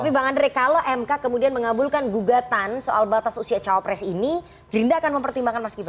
tapi bang andre kalau mk kemudian mengabulkan gugatan soal batas usia cawapres ini gerindra akan mempertimbangkan mas gibran